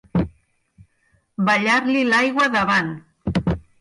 Ballar-li l'aigua davant.